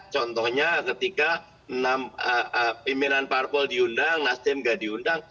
contohnya ketika pimpinan parpol diundang nasdem gak diundang